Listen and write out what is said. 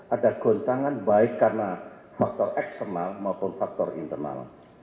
ada goncangan baik karena faktor eksternal maupun faktor internal